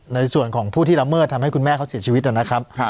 ในส่วนของผู้ที่ละเมิดทำให้คุณแม่เขาเสียชีวิตนะครับ